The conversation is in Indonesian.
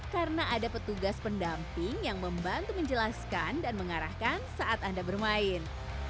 karena ada petugas pendamping yang membantu menjelaskan dan mengarahkan saat anda bermain